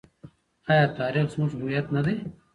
آیا تاریخ زموږ هویت نه دی؟